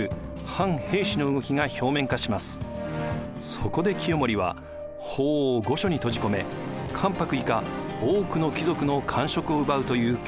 そこで清盛は法皇を御所に閉じ込め関白以下多くの貴族の官職をうばうという強硬手段に出ました。